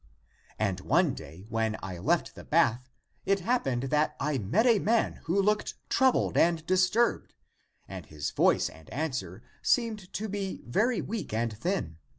And one day when I left the bath, it hap pened that I met a man who looked troubled and dis turbed. And his voice and answer seemed to be very weak and thin.